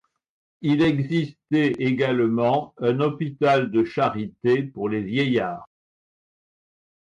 Il existait également un hôpital de charité pour les vieillards.